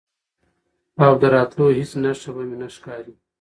او د راتلو هیڅ نښه به مې نه ښکاري،